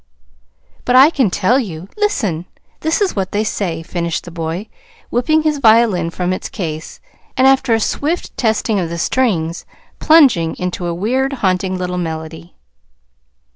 But I can tell you. Listen! This is what they say," finished the boy, whipping his violin from its case, and, after a swift testing of the strings, plunging into a weird, haunting little melody.